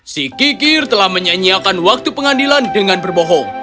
si kikir telah menyanyiakan waktu pengadilan dengan berbohong